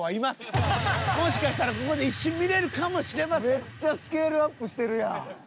めっちゃスケールアップしてるやん！